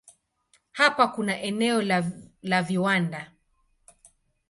Hapa kuna eneo la viwanda.